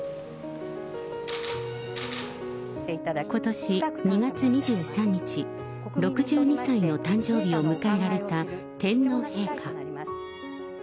ことし２月２３日、６２歳の誕生日を迎えられた天皇陛下。